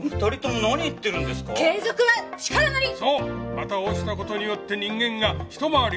また落ちた事によって人間が一回り大きくなった。